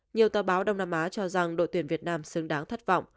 nhiều tờ báo đông nam á cho rằng đội tuyển việt nam xứng đáng thất vọng